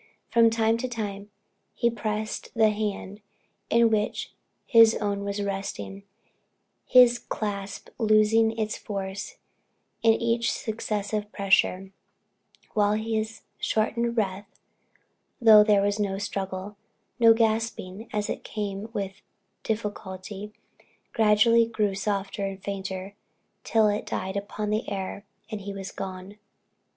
From time to time, he pressed the hand in which his own was resting, his clasp losing in force at each successive pressure; while his shortened breath (though there was no struggle, no gasping, as if it came and went with difficulty) gradually grew softer and fainter, until it died upon the air and he was gone.